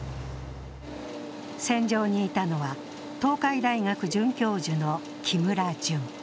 船上にいたのは、東海大学准教授の木村淳。